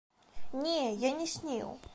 Не, я не сніў.